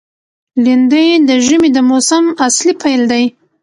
لېندۍ د ژمي د موسم اصلي پیل دی.